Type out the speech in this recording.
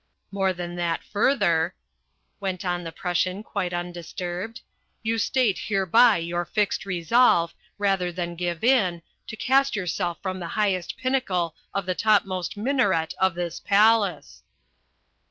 "More than that further," went on the Prussian quite undisturbed, "you state hereby your fixed resolve, rather than give in, to cast yourself from the highest pinnacle of the topmost minaret of this palace."